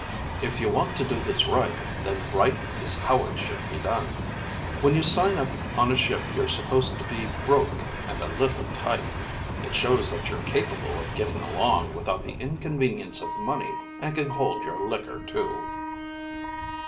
If you want to do this right, then right is how it should be done. When you sign up on a ship you're supposed to be broke and a little tight. It shows that you're capable of getting along without the inconvenience of money and can hold your liquor, too."